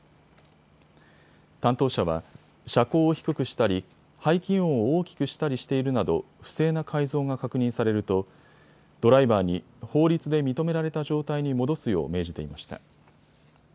担当者は車高を低くしたり排気音を大きくしたりしているなど不正な改造が確認されるとドライバーに、法律で認められた状態に戻すよう命じていました。